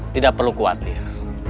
tidak perlu khawatir